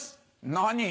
何？